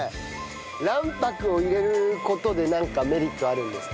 卵白を入れる事でなんかメリットあるんですか？